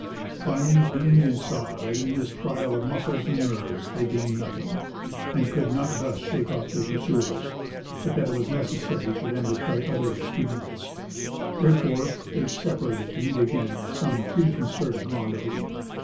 Finally, the Indians saw that in this trial of muscles and nerves they gained nothing, and could not thus shake off their pursuers, but that it was necessary for them to try other expedients; therefore, they separated, to meet again at some preconcerted rendezvous.